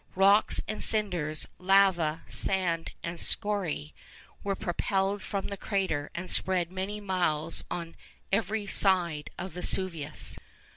Rocks and cinders, lava, sand, and scoriæ, were propelled from the crater, and spread many miles on every side of Vesuvius.